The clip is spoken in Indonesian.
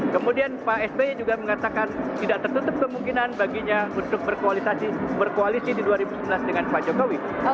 kemudian pak sby juga mengatakan tidak tertutup kemungkinan baginya untuk berkoalisi di dua ribu sembilan belas dengan pak jokowi